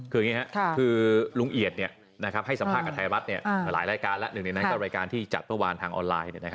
คืออย่างนี้ครับคือลุงเอียดให้สัมภาษณ์กับไทยรัฐหลายรายการแล้วหนึ่งในนั้นก็รายการที่จัดเมื่อวานทางออนไลน์